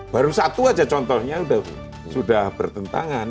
baru satu aja contohnya sudah bertentangan